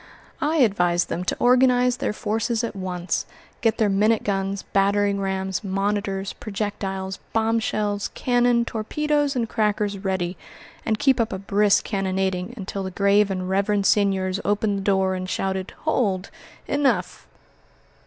I advised them to organize their forces at once, get their minute guns, battering rams, monitors, projectiles, bombshells, cannon, torpedoes, and crackers ready, and keep up a brisk cannonading until the grave and reverend seigniors opened the door, and shouted, "Hold, enough!"